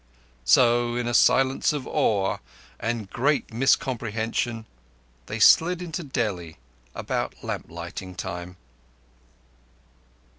So, in a silence of awe and great miscomprehension, they slid into Delhi about lamp lighting time.